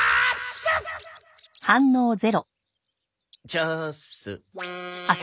チャッス。